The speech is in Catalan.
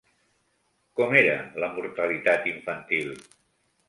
Com era la mortalitat infantil?